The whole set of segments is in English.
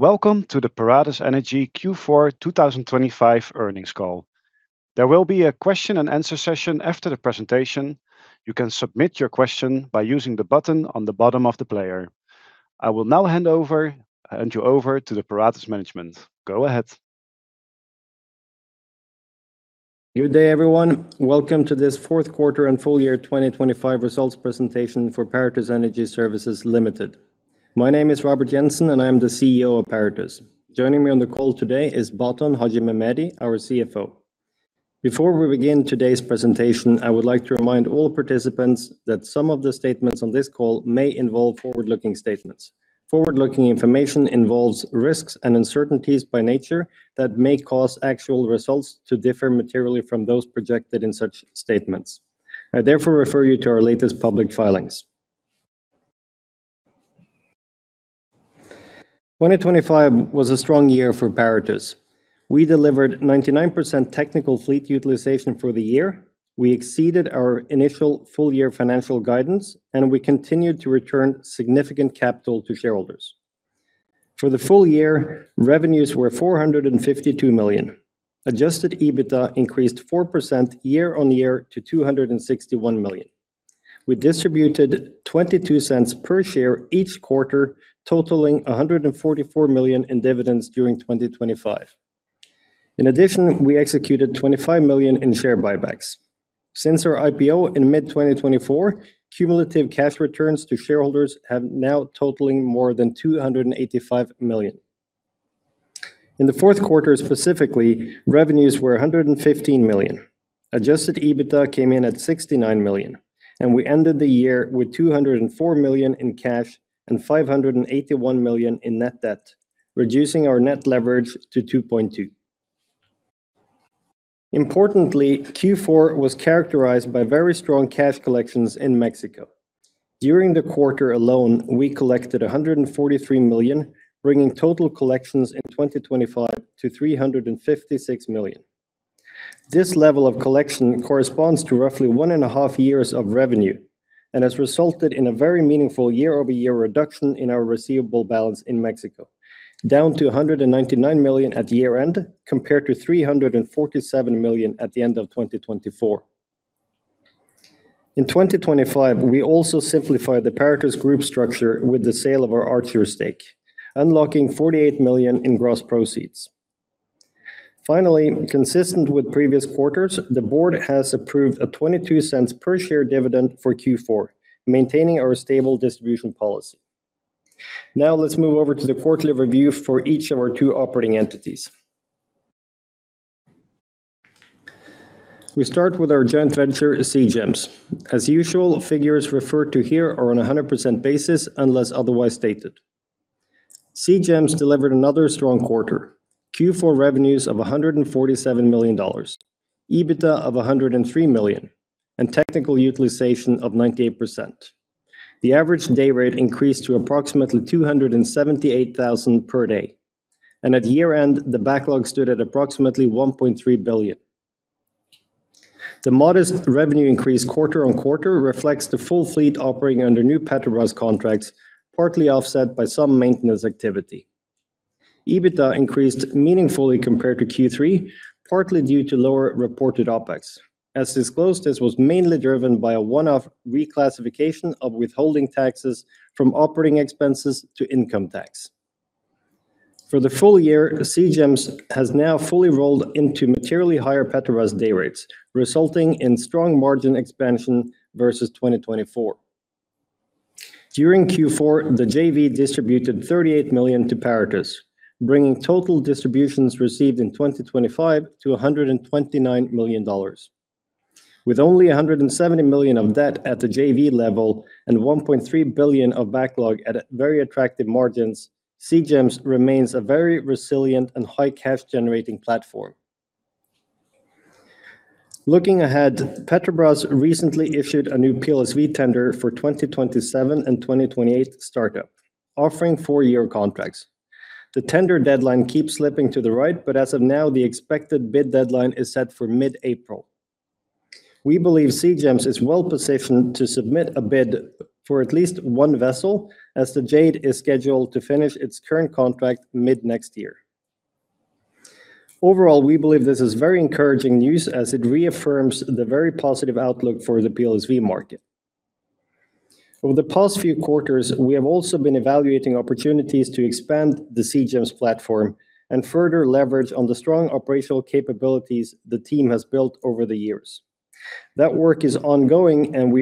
Welcome to the Paratus Energy Q4 2025 earnings call. There will be a question and answer session after the presentation. You can submit your question by using the button on the bottom of the player. I will now hand you over to the Paratus management. Go ahead. Good day, everyone. Welcome to this fourth quarter and full year 2025 results presentation for Paratus Energy Services Limited. My name is Robert Jensen. I am the CEO of Paratus. Joining me on the call today is Baton Haxhimehmedi, our CFO. Before we begin today's presentation, I would like to remind all participants that some of the statements on this call may involve forward-looking statements. Forward-looking information involves risks and uncertainties by nature that may cause actual results to differ materially from those projected in such statements. I therefore refer you to our latest public filings. 2025 was a strong year for Paratus. We delivered 99% technical fleet utilization for the year. We exceeded our initial full-year financial guidance. We continued to return significant capital to shareholders. For the full year, revenues were $452 million. Adjusted EBITDA increased 4% year-on-year to $261 million. We distributed $0.22 per share each quarter, totaling $144 million in dividends during 2025. In addition, we executed $25 million in share buybacks. Since our IPO in mid-2024, cumulative cash returns to shareholders have now totaling more than $285 million. In the fourth quarter, specifically, revenues were $115 million. Adjusted EBITDA came in at $69 million, and we ended the year with $204 million in cash and $581 million in net debt, reducing our net leverage to 2.2. Importantly, Q4 was characterized by very strong cash collections in Mexico. During the quarter alone, we collected $143 million, bringing total collections in 2025 to $356 million. This level of collection corresponds to roughly one and a half years of revenue and has resulted in a very meaningful year-over-year reduction in our receivable balance in Mexico, down to $199 million at year-end, compared to $347 million at the end of 2024. In 2025, we also simplified the Paratus group structure with the sale of our Archer stake, unlocking $48 million in gross proceeds. Finally, consistent with previous quarters, the board has approved a $0.22 per share dividend for Q4, maintaining our stable distribution policy. Now, let's move over to the quarterly review for each of our two operating entities. We start with our joint venture, Seagems. As usual, figures referred to here are on a 100% basis, unless otherwise stated. Seagems delivered another strong quarter. Q4 revenues of $147 million, EBITDA of $103 million, and technical utilization of 98%. The average day rate increased to approximately $278,000 per day, and at year-end, the backlog stood at approximately $1.3 billion. The modest revenue increase quarter-on-quarter reflects the full fleet operating under new Petrobras contracts, partly offset by some maintenance activity. EBITDA increased meaningfully compared to Q3, partly due to lower reported OpEx. As disclosed, this was mainly driven by a one-off reclassification of withholding taxes from operating expenses to income tax. For the full year, Seagems has now fully rolled into materially higher Petrobras day rates, resulting in strong margin expansion versus 2024. During Q4, the JV distributed $38 million to Paratus, bringing total distributions received in 2025 to $129 million. With only $170 million of debt at the JV level and $1.3 billion of backlog at very attractive margins, Seagems remains a very resilient and high cash-generating platform. Looking ahead, Petrobras recently issued a new PLSV tender for 2027 and 2028 startup, offering four-year contracts. As of now, the expected bid deadline is set for mid-April. We believe Seagems is well positioned to submit a bid for at least one vessel, as the Jade is scheduled to finish its current contract mid-next year. Overall, we believe this is very encouraging news as it reaffirms the very positive outlook for the PLSV market. Over the past few quarters, we have also been evaluating opportunities to expand the Seagems platform and further leverage on the strong operational capabilities the team has built over the years. That work is ongoing, and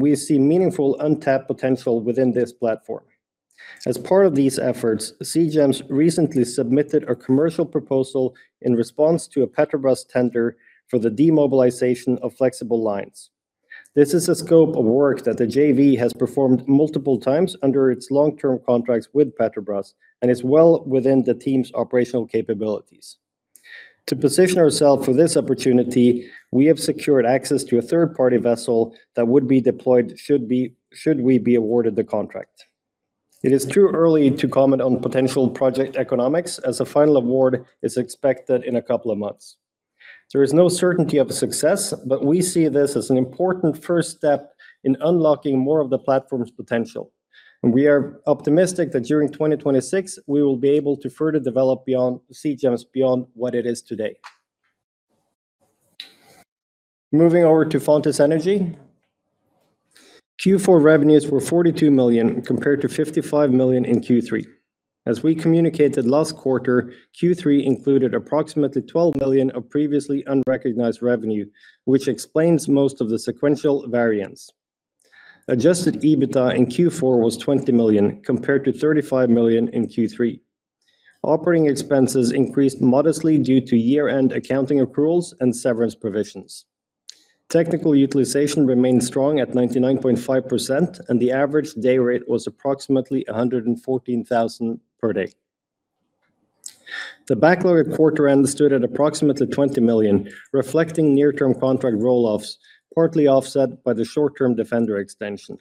we see meaningful untapped potential within this platform. As part of these efforts, Seagems recently submitted a commercial proposal in response to a Petrobras tender for the demobilization of flexible lines. This is a scope of work that the JV has performed multiple times under its long-term contracts with Petrobras and is well within the team's operational capabilities. To position ourselves for this opportunity, we have secured access to a third-party vessel that would be deployed should we be awarded the contract. It is too early to comment on potential project economics, as a final award is expected in a couple of months. There is no certainty of success, we see this as an important first step in unlocking more of the platform's potential. We are optimistic that during 2026, we will be able to further develop beyond Seagems, beyond what it is today. Moving over to Fontis Energy, Q4 revenues were $42 million, compared to $55 million in Q3. As we communicated last quarter, Q3 included approximately $12 million of previously unrecognized revenue, which explains most of the sequential variance. Adjusted EBITDA in Q4 was $20 million, compared to $35 million in Q3. Operating expenses increased modestly due to year-end accounting approvals and severance provisions. Technical utilization remained strong at 99.5%, and the average day rate was approximately $114,000 per day. The backlog at quarter end stood at approximately $20 million, reflecting near-term contract roll-offs, partly offset by the short-term Defender extension.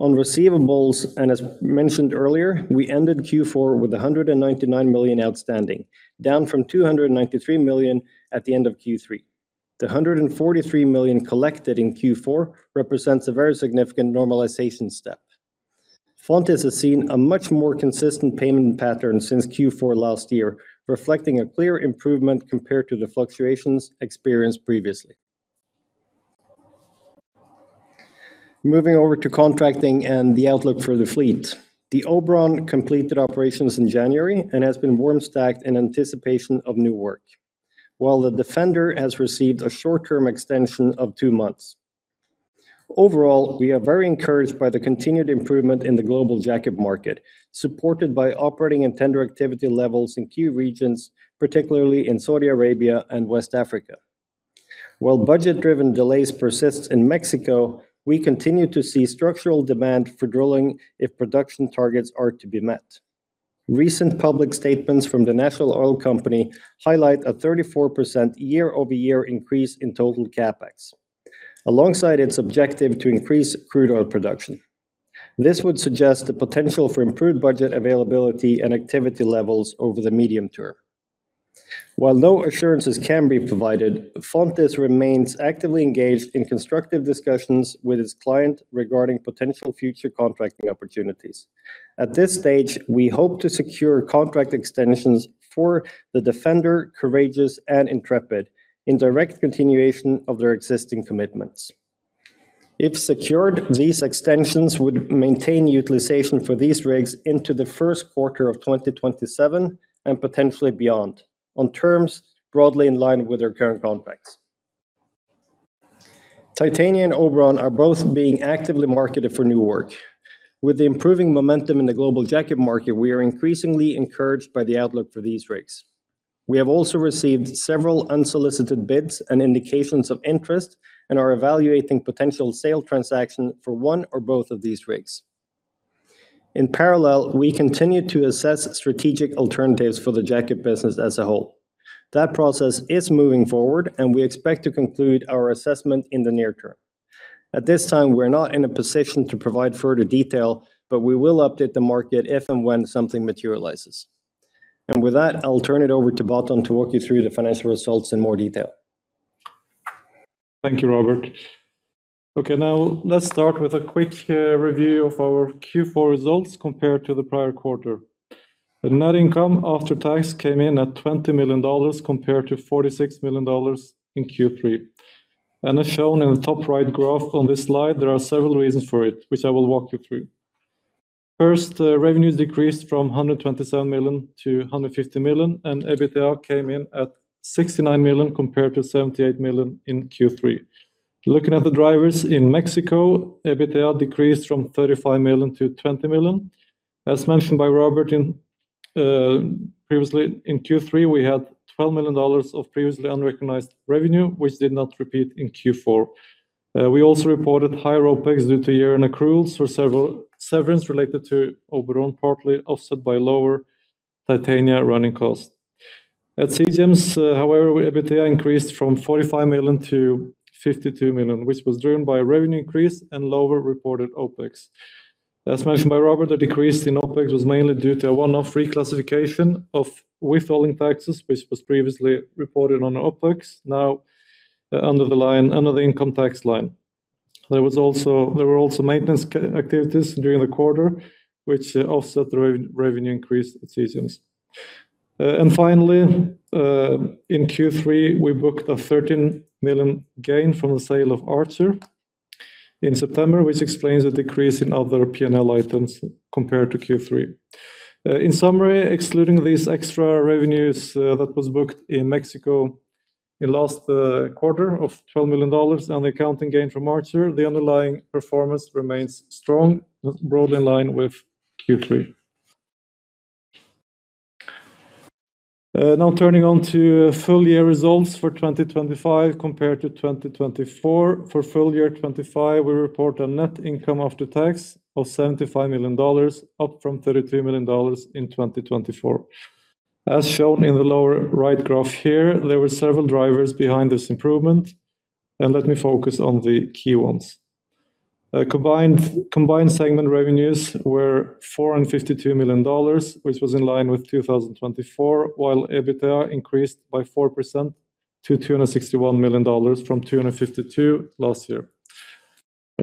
On receivables, and as mentioned earlier, we ended Q4 with $199 million outstanding, down from $293 million at the end of Q3. The $143 million collected in Q4 represents a very significant normalization step. Fontis has seen a much more consistent payment pattern since Q4 last year, reflecting a clear improvement compared to the fluctuations experienced previously. Moving over to contracting and the outlook for the fleet. The Oberon completed operations in January and has been warm stacked in anticipation of new work, while the Defender has received a short-term extension of two months. Overall, we are very encouraged by the continued improvement in the global jack-up market, supported by operating and tender activity levels in key regions, particularly in Saudi Arabia and West Africa. While budget-driven delays persist in Mexico, we continue to see structural demand for drilling if production targets are to be met. Recent public statements from the national oil company highlight a 34% year-over-year increase in total CapEx, alongside its objective to increase crude oil production. This would suggest the potential for improved budget availability and activity levels over the medium term. While no assurances can be provided, Fontis remains actively engaged in constructive discussions with its client regarding potential future contracting opportunities. At this stage, we hope to secure contract extensions for the Defender, Courageous, and Intrepid in direct continuation of their existing commitments. If secured, these extensions would maintain utilization for these rigs into the first quarter of 2027 and potentially beyond, on terms broadly in line with their current contracts. Titania and Oberon are both being actively marketed for new work. With the improving momentum in the global jack-up market, we are increasingly encouraged by the outlook for these rigs. We have also received several unsolicited bids and indications of interest and are evaluating potential sale transaction for one or both of these rigs. In parallel, we continue to assess strategic alternatives for the jack-up business as a whole. That process is moving forward, and we expect to conclude our assessment in the near term. At this time, we're not in a position to provide further detail, but we will update the market if and when something materializes. With that, I'll turn it over to Baton to walk you through the financial results in more detail. Thank you, Robert. Now let's start with a quick review of our Q4 results compared to the prior quarter. The net income after tax came in at $20 million, compared to $46 million in Q3. As shown in the top right graph on this slide, there are several reasons for it, which I will walk you through. First, the revenues decreased from $127 million to $150 million, and EBITDA came in at $69 million, compared to $78 million in Q3. Looking at the drivers in Mexico, EBITDA decreased from $35 million to $20 million. As mentioned by Robert previously in Q3, we had $12 million of previously unrecognized revenue, which did not repeat in Q4. we also reported higher OpEx due to year-end accruals for several severance related to Oberon, partly offset by lower Titania running costs. At Seagems, however, EBITDA increased from $45 million to $52 million, which was driven by a revenue increase and lower reported OpEx. As mentioned by Robert, the decrease in OpEx was mainly due to a one-off reclassification of withholding taxes, which was previously reported on OpEx, now under the line, under the income tax line. There were also maintenance activities during the quarter, which offset the re-revenue increase at Seagems. Finally, in Q3, we booked a $13 million gain from the sale of Archer in September, which explains the decrease in other PNL items compared to Q3. In summary, excluding these extra revenues that was booked in Mexico in the last quarter of $12 million and the accounting gain from Archer, the underlying performance remains strong, broadly in line with Q3. Now turning on to full-year results for 2025 compared to 2024. For full year 2025, we report a net income after tax of $75 million, up from $33 million in 2024. As shown in the lower right graph here, there were several drivers behind this improvement, and let me focus on the key ones. Combined segment revenues were $452 million, which was in line with 2024, while EBITDA increased by 4% to $261 million from $252 million last year.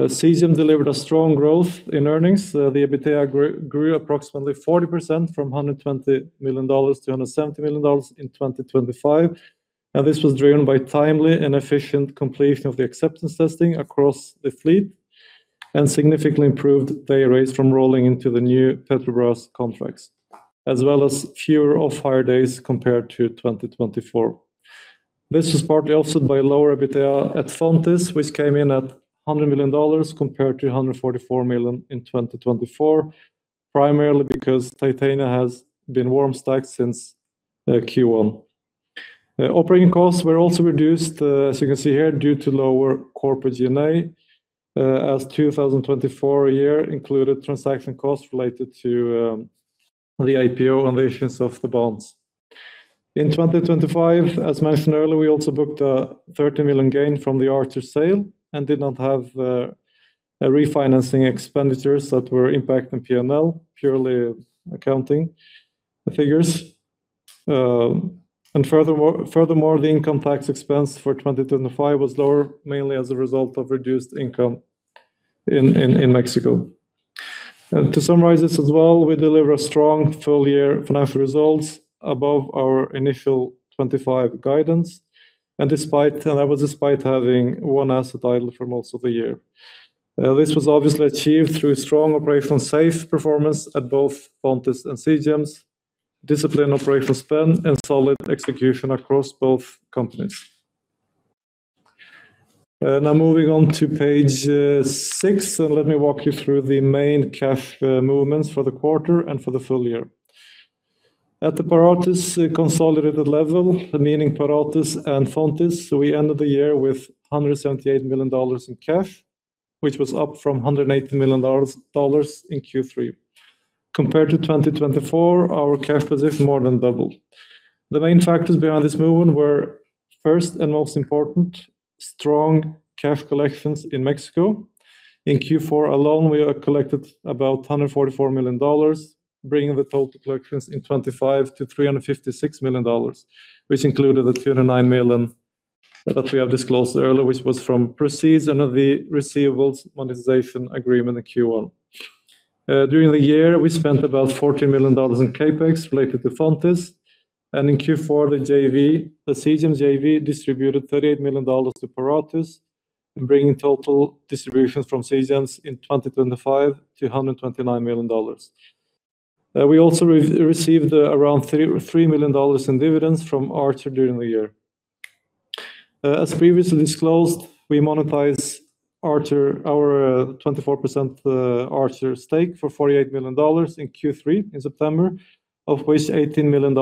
Seagems delivered a strong growth in earnings. The EBITDA grew approximately 40% from $120 million to $170 million in 2025. This was driven by timely and efficient completion of the acceptance testing across the fleet and significantly improved day rates from rolling into the new Petrobras contracts, as well as fewer off-hire days compared to 2024. This was partly offset by lower EBITDA at Fontis, which came in at $100 million compared to $144 million in 2024, primarily because Titania has been warm stacked since Q1. Operating costs were also reduced, as you can see here, due to lower corporate G&A, as 2024 year included transaction costs related to the IPO and the issuance of the bonds. In 2025, as mentioned earlier, we also booked a $30 million gain from the Archer sale and did not have a refinancing expenditures that were impacting PNL, purely accounting figures. Furthermore, the income tax expense for 2025 was lower, mainly as a result of reduced income in Mexico. To summarize this as well, we delivered a strong full-year financial results above our initial 2025 guidance, despite that was despite having one asset idle for most of the year. This was obviously achieved through strong operational safe performance at both Fontis and Seagems' disciplined operational spend and solid execution across both companies. Now moving on to page 6, let me walk you through the main cash movements for the quarter and for the full year. At the Paratus consolidated level, meaning Paratus and Fontis, we ended the year with $178 million in cash, which was up from $180 million in Q3. Compared to 2024, our cash position more than doubled. The main factors behind this movement were, first and most important, strong cash collections in Mexico. In Q4 alone, we collected about $144 million, bringing the total collections in 2025 to $356 million, which included the $209 million that we have disclosed earlier, which was from proceeds under the receivables monetization agreement in Q1. During the year, we spent about $14 million in CapEx related to Fontis. In Q4, the JV, the Seagems JV distributed $38 million to Paratus, bringing total distributions from Seagems in 2025 to $129 million. We also received around $3 million in dividends from Archer during the year. As previously disclosed, we monetized Archer, our 24% Archer stake for $48 million in Q3, in September, of which $18 million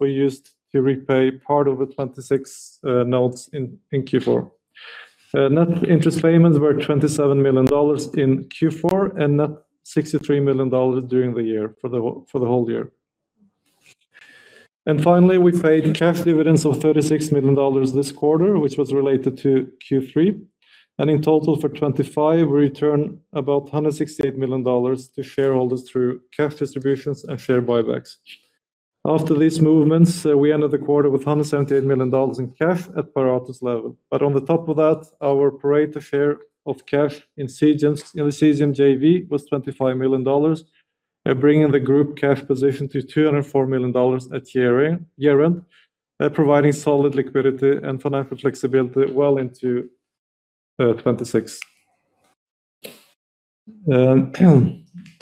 were used to repay part of the 2026 notes in Q4. Net interest payments were $27 million in Q4 and net $63 million during the year, for the whole year. Finally, we paid cash dividends of $36 million this quarter, which was related to Q3. In total, for 2025, we returned about $168 million to shareholders through cash distributions and share buybacks. After these movements, we ended the quarter with $178 million in cash at Paratus level. On the top of that, our pro rata share of cash in Seagems, in the Seagems JV was $25 million, bringing the group cash position to $204 million at year-end, providing solid liquidity and financial flexibility well into 2026.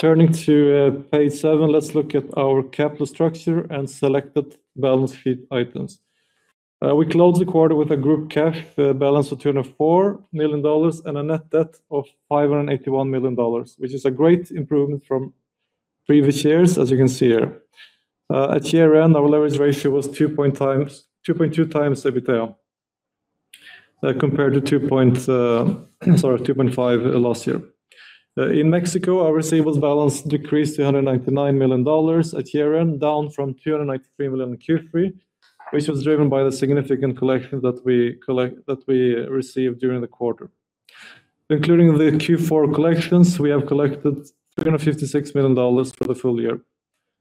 Turning to page 7, let's look at our capital structure and selected balance sheet items. We closed the quarter with a group cash balance of $204 million and a net debt of $581 million, which is a great improvement from previous years, as you can see here. At year-end, our leverage ratio was 2.2 times EBITDA compared to 2.5 last year. In Mexico, our receivables balance decreased to $199 million at year-end, down from $293 million in Q3, which was driven by the significant collection that we received during the quarter. Including the Q4 collections, we have collected $356 million for the full year,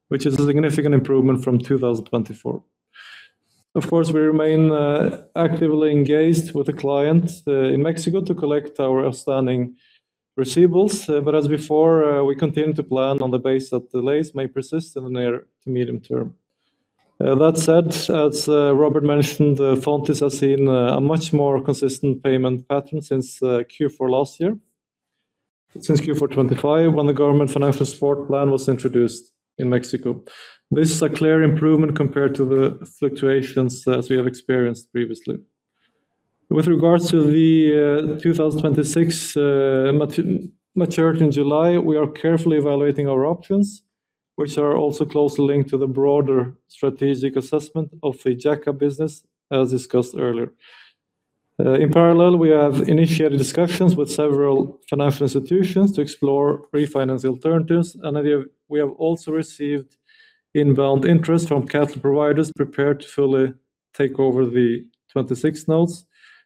which is a significant improvement from 2024. Of course, we remain actively engaged with the client in Mexico to collect our outstanding receivables, but as before, we continue to plan on the base that delays may persist in the near to medium term. That said, as Robert mentioned, Fontis has seen a much more consistent payment pattern since Q4 last year, since Q4 2025, when the government financial support plan was introduced in Mexico. This is a clear improvement compared to the fluctuations that we have experienced previously. With regards to the 2026 maturity in July, we are carefully evaluating our options, which are also closely linked to the broader strategic assessment of the jack-up business, as discussed earlier. In parallel, we have initiated discussions with several financial institutions to explore refinance alternatives, we have also received inbound interest from capital providers prepared to fully take over the 2026 notes,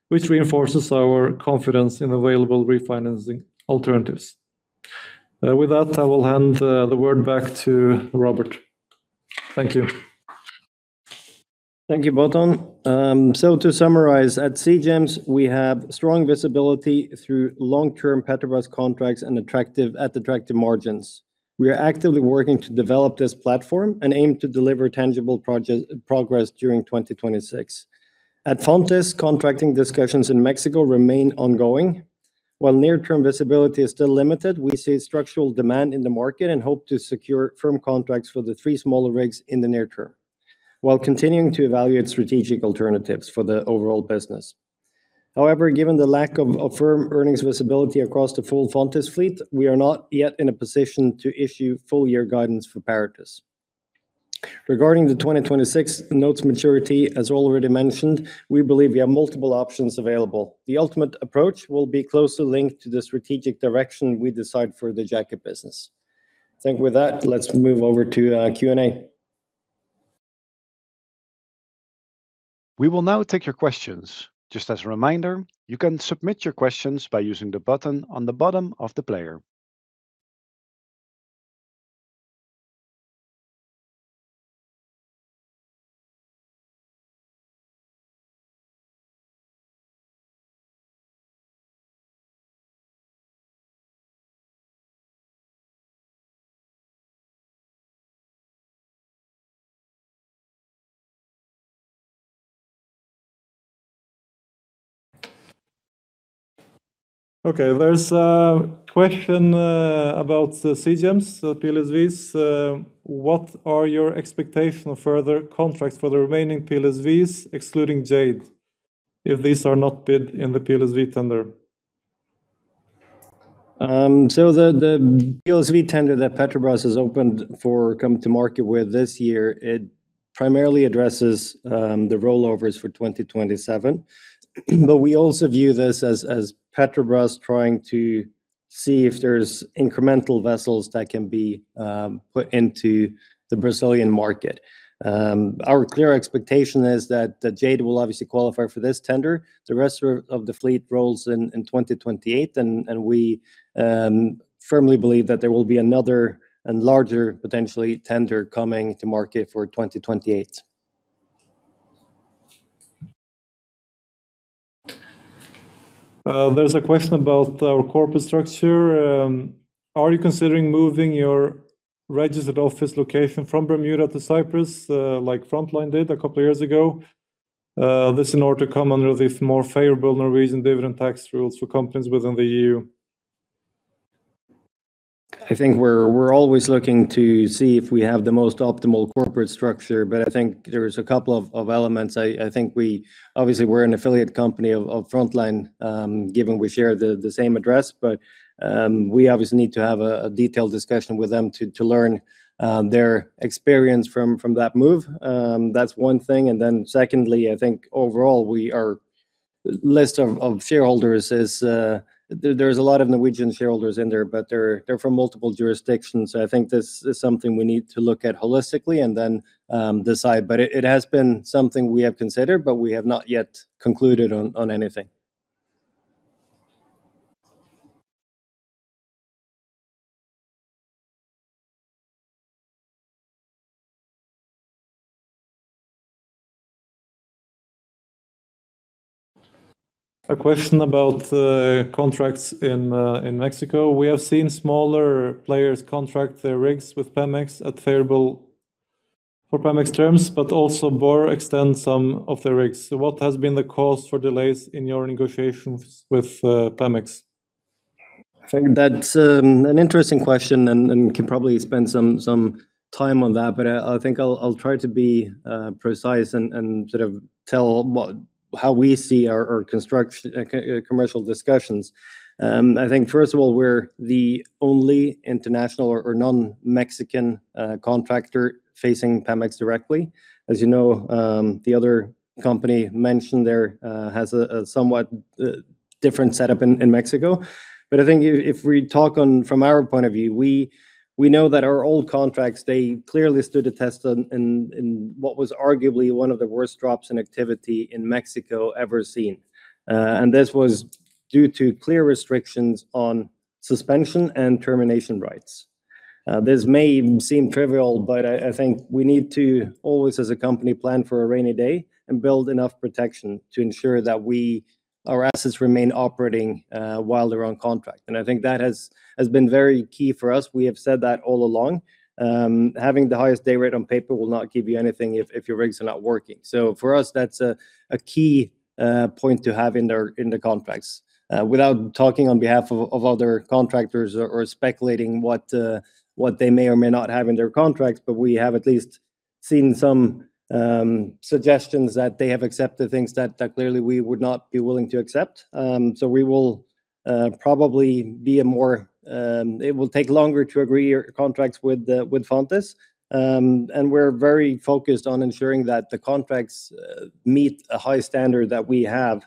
which reinforces our confidence in available refinancing alternatives. With that, I will hand the word back to Robert. Thank you. Thank you, Baton. To summarize, at Seagems, we have strong visibility through long-term Petrobras contracts and at attractive margins. We are actively working to develop this platform and aim to deliver tangible project, progress during 2026. At Fontis, contracting discussions in Mexico remain ongoing. While near-term visibility is still limited, we see structural demand in the market and hope to secure firm contracts for the 3 smaller rigs in the near term, while continuing to evaluate strategic alternatives for the overall business. Given the lack of firm earnings visibility across the full Fontis fleet, we are not yet in a position to issue full year guidance for Paratus. Regarding the 2026 notes maturity, as already mentioned, we believe we have multiple options available. The ultimate approach will be closely linked to the strategic direction we decide for the jacket business. I think with that, let's move over to Q&A. We will now take your questions. Just as a reminder, you can submit your questions by using the button on the bottom of the player. There's a question about the Seagems, the PSVs. What are your expectations for further contracts for the remaining PSVs, excluding Jade, if these are not bid in the PSV tender? The PSV tender that Petrobras has opened for coming to market with this year, it primarily addresses the rollovers for 2027. We also view this as Petrobras trying to see if there's incremental vessels that can be put into the Brazilian market. Our clear expectation is that Jade will obviously qualify for this tender. The rest of the fleet rolls in 2028, and we firmly believe that there will be another and larger, potentially tender coming to market for 2028. There's a question about our corporate structure. Are you considering moving your registered office location from Bermuda to Cyprus, like Frontline did a couple of years ago? This in order to come under the more favorable Norwegian dividend tax rules for companies within the EU. I think we're always looking to see if we have the most optimal corporate structure, but I think there is a couple of elements. I think we obviously, we're an affiliate company of Frontline, given we share the same address. We obviously need to have a detailed discussion with them to learn their experience from that move. That's one thing. Secondly, I think overall, we are list of shareholders is there's a lot of Norwegian shareholders in there, but they're from multiple jurisdictions. I think this is something we need to look at holistically and decide. It has been something we have considered, but we have not yet concluded on anything. A question about the contracts in Mexico. We have seen smaller players contract their rigs with Pemex at favorable for Pemex terms, but also Borr extend some of the rigs. What has been the cause for delays in your negotiations with Pemex? I think that's an interesting question and we can probably spend some time on that, but I think I'll try to be precise and sort of tell how we see our construct, commercial discussions. I think first of all, we're the only international or non-Mexican contractor facing Pemex directly. As you know, the other company mentioned there has a somewhat different setup in Mexico. But I think if we talk on from our point of view, we know that our old contracts, they clearly stood the test in what was arguably one of the worst drops in activity in Mexico ever seen. This was due to clear restrictions on suspension and termination rights. This may seem trivial, but I think we need to always, as a company, plan for a rainy day and build enough protection to ensure that our assets remain operating, while they're on contract. I think that has been very key for us. We have said that all along. Having the highest day rate on paper will not give you anything if your rigs are not working. For us, that's a key point to have in the contracts. Without talking on behalf of other contractors or speculating what they may or may not have in their contracts, but we have at least seen some suggestions that they have accepted things that clearly we would not be willing to accept. It will take longer to agree contracts with Fontis. We're very focused on ensuring that the contracts meet a high standard that we have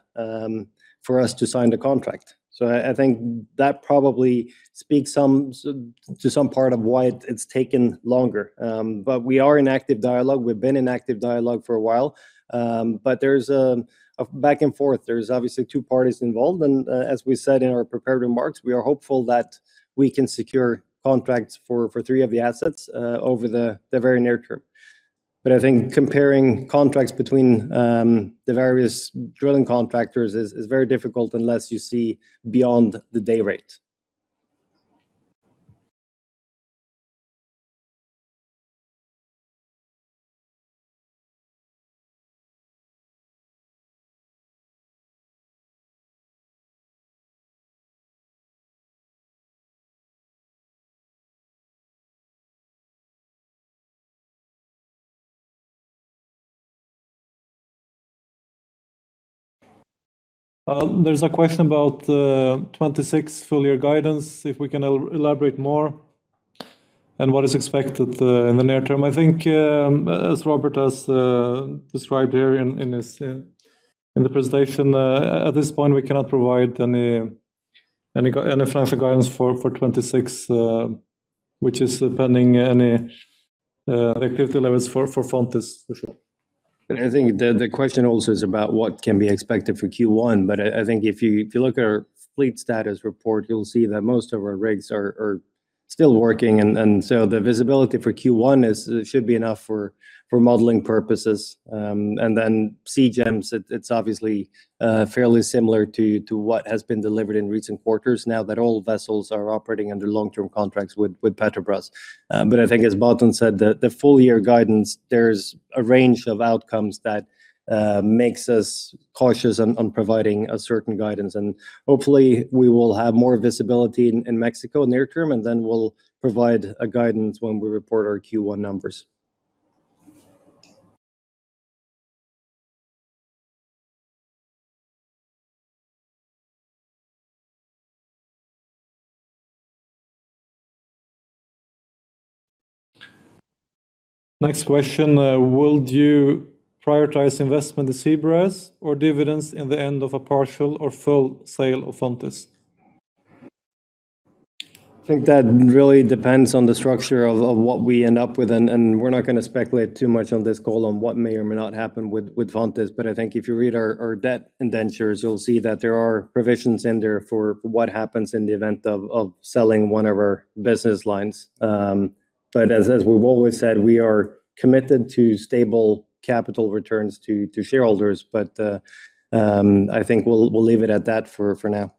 for us to sign the contract. I think that probably speaks some, to some part of why it's taken longer. We are in active dialogue. We've been in active dialogue for a while, but there's a back and forth. There's obviously two parties involved, and as we said in our prepared remarks, we are hopeful that we can secure contracts for 3 of the assets over the very near term. I think comparing contracts between the various drilling contractors is very difficult unless you see beyond the day rate. There's a question about the 2026 full year guidance, if we can elaborate more, and what is expected in the near term. I think, as Robert has described here in his presentation, at this point, we cannot provide any financial guidance for 2026, which is depending any activity levels for Fontis for sure. I think the question also is about what can be expected for Q1. I think if you, if you look at our fleet status report, you'll see that most of our rigs are still working, and so the visibility for Q1 should be enough for modeling purposes. Seagems, it's obviously fairly similar to what has been delivered in recent quarters now that all vessels are operating under long-term contracts with Petrobras. I think as Baton said, the full year guidance, there's a range of outcomes that makes us cautious on providing a certain guidance. Hopefully, we will have more visibility in Mexico near term, and then we'll provide a guidance when we report our Q1 numbers. Next question, will you prioritize investment in Seabras or dividends in the end of a partial or full sale of Fontis? I think that really depends on the structure of what we end up with, and we're not gonna speculate too much on this call on what may or may not happen with Fontis. I think if you read our debt indentures, you'll see that there are provisions in there for what happens in the event of selling one of our business lines. As we've always said, we are committed to stable capital returns to shareholders. I think we'll leave it at that for now.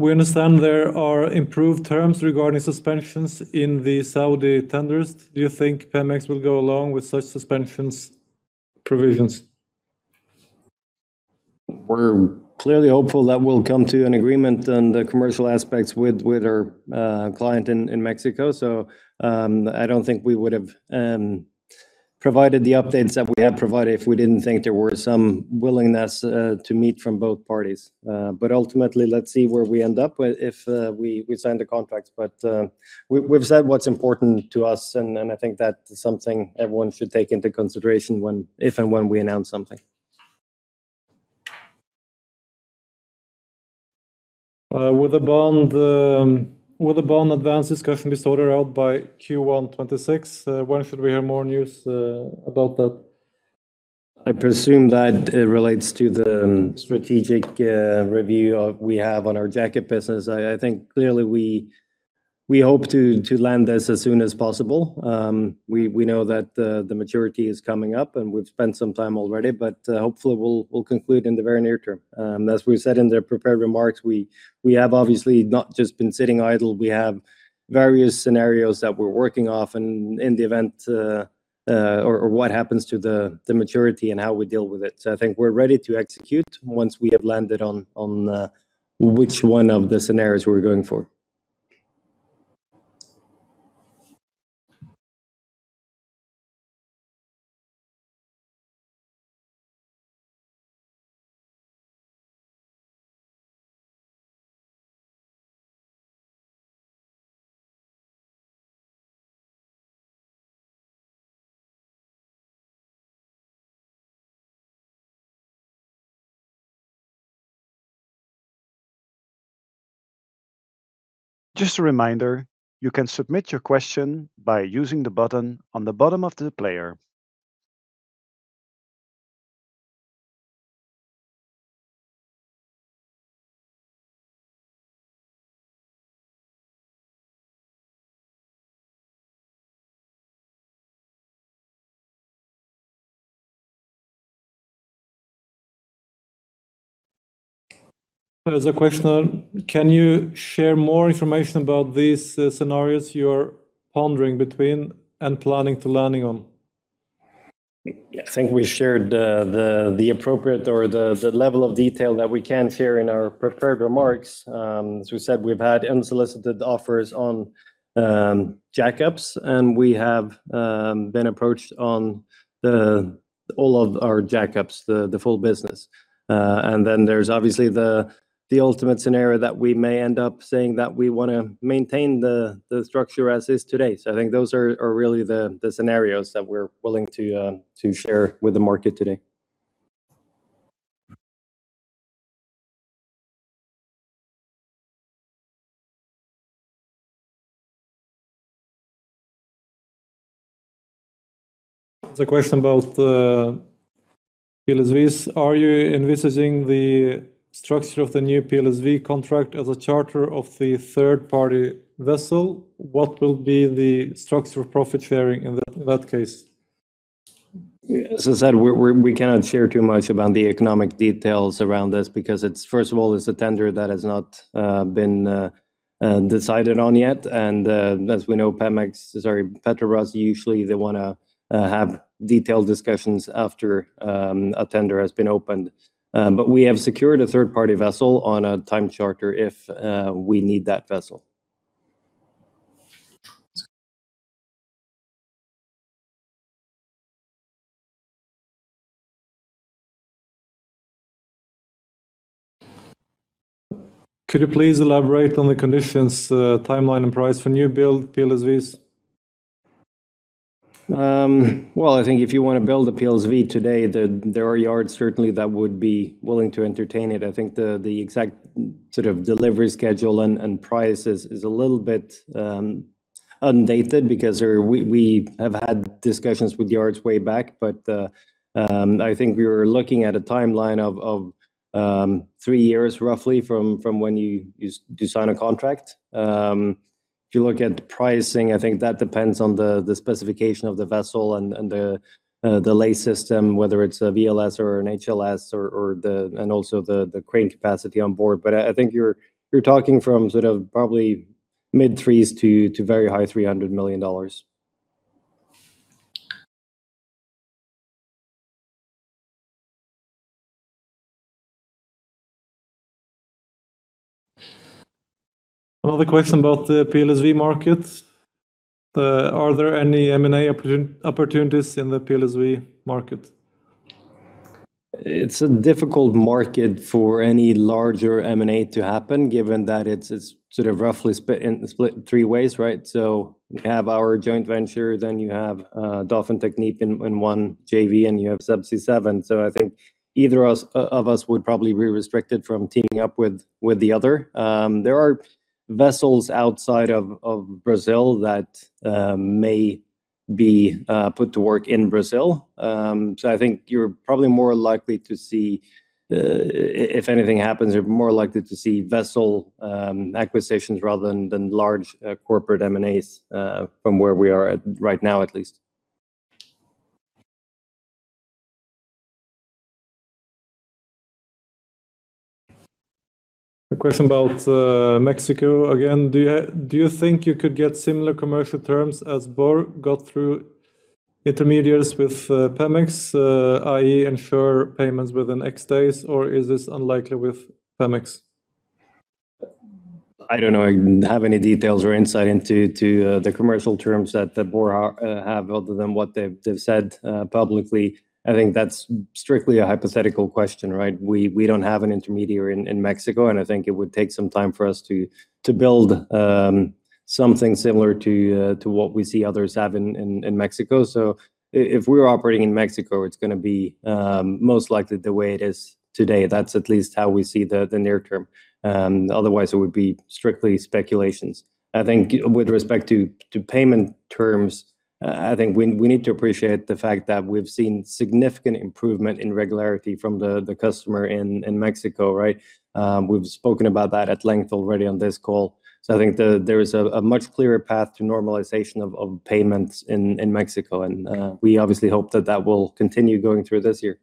We understand there are improved terms regarding suspensions in the Saudi tenders. Do you think Pemex will go along with such suspensions provisions? We're clearly hopeful that we'll come to an agreement on the commercial aspects with our client in Mexico. I don't think we would have provided the updates that we have provided if we didn't think there were some willingness to meet from both parties. Ultimately, let's see where we end up with if we sign the contracts. We've said what's important to us, and I think that is something everyone should take into consideration when if and when we announce something. Will the bond advance discussion be sorted out by Q1 2026? When should we hear more news about that? I presume that it relates to the strategic review we have on our jack-up business. I think clearly we hope to land this as soon as possible. We know that the maturity is coming up, and we've spent some time already, but hopefully we'll conclude in the very near term. As we said in the prepared remarks, we have obviously not just been sitting idle. We have various scenarios that we're working off and in the event or what happens to the maturity and how we deal with it. I think we're ready to execute once we have landed on which one of the scenarios we're going for. Just a reminder, you can submit your question by using the button on the bottom of the player. There's a question, can you share more information about these scenarios you are pondering between and planning to landing on? I think we shared the appropriate or the level of detail that we can share in our prepared remarks. As we said, we've had unsolicited offers on jack-ups, and we have been approached on all of our jack-ups, the full business. Then there's obviously the ultimate scenario that we may end up saying that we wanna maintain the structure as is today. I think those are really the scenarios that we're willing to share with the market today. The question about the PLSV. Are you envisaging the structure of the new PLSV contract as a charter of the third-party vessel? What will be the structure of profit sharing in that case? As I said, we're we cannot share too much about the economic details around this because it's. First of all, it's a tender that has not been decided on yet. As we know, Pemex, sorry, Petrobras, usually they wanna have detailed discussions after a tender has been opened. We have secured a third-party vessel on a time charter if we need that vessel. Could you please elaborate on the conditions, the timeline, and price for new build PLSVs? Well, I think if you want to build a PLSV today, there are yards certainly that would be willing to entertain it. I think the exact sort of delivery schedule and price is a little bit undated because we have had discussions with yards way back. I think we were looking at a timeline of 3 years roughly from when you sign a contract. If you look at pricing, I think that depends on the specification of the vessel and the lay system, whether it's a VLS or an HLS and also the crane capacity on board. I think you're talking from sort of probably mid threes to very high $300 million. Another question about the PLSV market. Are there any M&A opportunities in the PLSV market? It's a difficult market for any larger M&A to happen, given that it's sort of roughly split three ways, right? We have our joint venture, then you have DOFCON Technip in one JV, and you have Subsea 7. I think either us of us would probably be restricted from teaming up with the other. There are vessels outside of Brazil that may be put to work in Brazil. I think you're probably more likely to see if anything happens, you're more likely to see vessel acquisitions rather than large corporate M&As from where we are at right now, at least. A question about Mexico again. Do you think you could get similar commercial terms as Borr got through intermediaries with Pemex, i.e., ensure payments within X days, or is this unlikely with Pemex? I don't know. I didn't have any details or insight into the commercial terms that the Borr have other than what they've said publicly. I think that's strictly a hypothetical question, right? We don't have an intermediary in Mexico. I think it would take some time for us to build something similar to what we see others have in Mexico. If we're operating in Mexico, it's gonna be most likely the way it is today. That's at least how we see the near term. Otherwise, it would be strictly speculations. I think with respect to payment terms, I think we need to appreciate the fact that we've seen significant improvement in regularity from the customer in Mexico, right? We've spoken about that at length already on this call. I think there is a much clearer path to normalization of payments in Mexico, and we obviously hope that that will continue going through this year.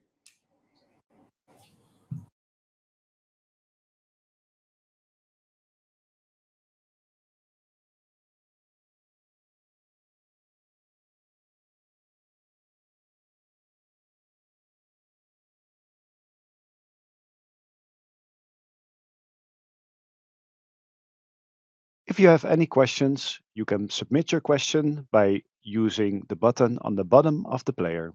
If you have any questions, you can submit your question by using the button on the bottom of the player.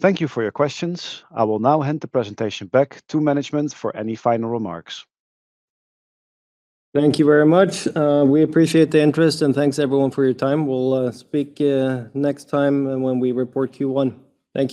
Thank you for your questions. I will now hand the presentation back to management for any final remarks. Thank you very much. We appreciate the interest, thanks, everyone, for your time. We'll speak next time when we report Q1. Thank you.